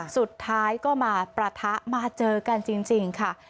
สุดท้ายก็มาประทะมาเจอกันจริงค่ะ